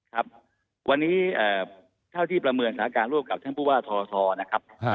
ครับวันนี้เท่าที่ประเมินสถานการณ์ร่วมกับท่านผู้ว่าททนะครับ